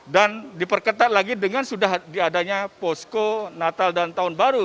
dan diperketat lagi dengan sudah diadanya posko natal dan tahun baru